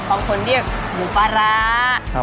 บางคนเรียกหมูปลาร้า